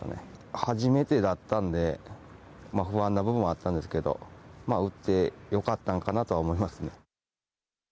初めてだったんでまあ不安な部分もあったんですけど打ってよかったのかなとは思いますね。